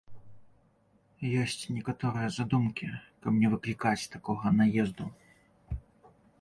Ёсць некаторыя задумкі, каб не выклікаць такога наезду.